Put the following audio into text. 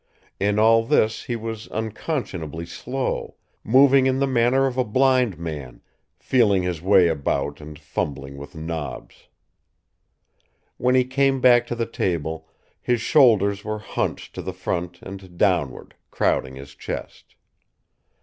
In all this he was unconscionably slow, moving in the manner of a blind man, feeling his way about and fumbling both knobs. When he came back to the table, his shoulders were hunched to the front and downward, crowding his chest.